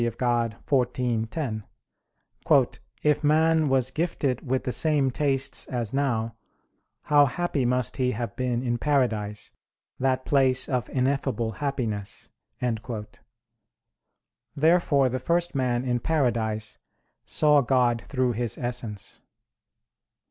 Dei xiv, 10): "If man was gifted with the same tastes as now, how happy must he have been in paradise, that place of ineffable happiness!" Therefore the first man in paradise saw God through His Essence.